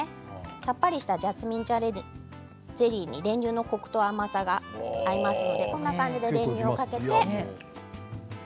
さっぱりしたジャスミン茶ゼリーに練乳のこくと甘さが合いますのでこんな感じでかけて。